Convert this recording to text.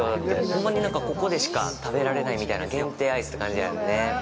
ほんまに、ここでしか食べられないみたいな限定アイスって感じやんね。